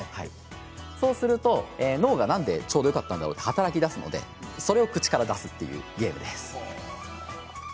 そうすると、脳がなんでちょうどよかったんだろう？と働きだすのでそれを口から出すというゲームです。